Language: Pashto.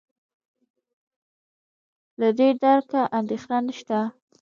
له دې درکه اندېښنه نشته.